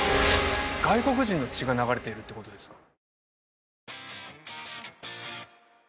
外国人の血が流れているってことですか？